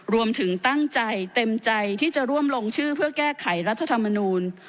รวมถึงตั้งใจเต็มใจที่จะร่วมลงชื่อเพื่อแก้ไขรัฐธรรมนูล